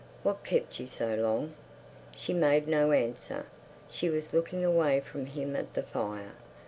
What kept you so long?" She made no answer. She was looking away from him at the fire.